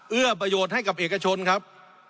เอื้อประโยชน์ให้กับเอกชนครับ